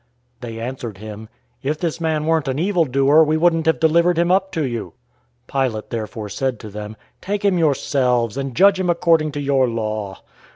018:030 They answered him, "If this man weren't an evildoer, we wouldn't have delivered him up to you." 018:031 Pilate therefore said to them, "Take him yourselves, and judge him according to your law."